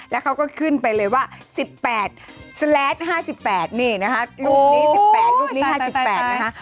แล้วเขาก็ขึ้นไปเลยว่า๑๘แสลด๕๘นี่นะคะรูปนี้๑๘รูปนี้๕๘นะคะ